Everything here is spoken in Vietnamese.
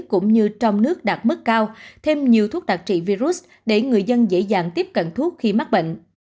cũng như trong nước đạt mức cao thêm nhiều thuốc đặc trị virus để người dân dễ dàng tiếp cận thuốc khi mắc bệnh